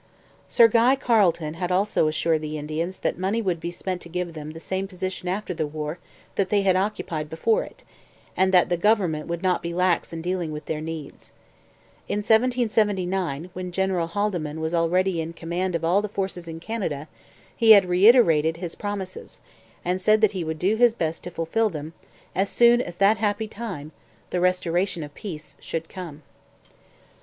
Sir Guy Carleton had also assured the Indians that money would be spent to give them the same position after the war that they had occupied before it, and that the government would not be lax in dealing with their needs. In 1779, when General Haldimand was already in command of all the forces in Canada, he had reiterated his promises, and said that he would do his best to fulfil them, 'as soon as that happy time [the restoration of peace] should come.'